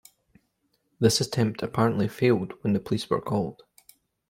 This attempt apparently failed when the police were called.